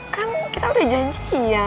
kan kita udah janji iya